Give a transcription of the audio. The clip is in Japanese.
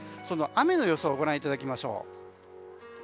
その雨の予想をご覧いただきましょう。